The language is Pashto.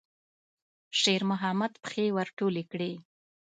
شېرمحمد پښې ور ټولې کړې.